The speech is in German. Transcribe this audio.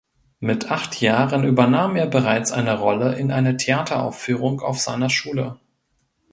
Mit acht Jahren übernahm er bereits eine Rolle in einer Theateraufführung auf seiner Schule.